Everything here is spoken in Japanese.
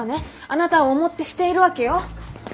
あなたを思ってしているわけよ。